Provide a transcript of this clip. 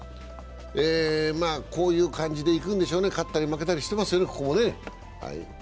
こういう感じでいくんでしょうね、ここも勝ったり負けたりしていますね。